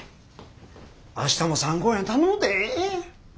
明日も３公演頼むで。